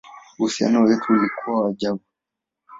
Uhusiano wetu ulikuwa wa ajabu!